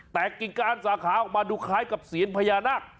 แต่กิ่งการสาขาออกมาดูคล้ายกับเซียนพญานาค